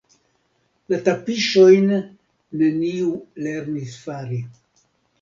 La tapiŝojn neniu lernis fari.